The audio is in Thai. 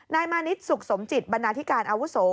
มานิดสุขสมจิตบรรณาธิการอาวุโส